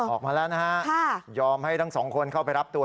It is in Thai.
ออกมาแล้วนะฮะยอมให้ทั้งสองคนเข้าไปรับตัว